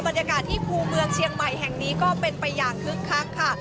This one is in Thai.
บรรยากาศที่ภูเมืองเชียงใหม่แห่งนี้ก็เป็นไปอย่างคึกคักค่ะ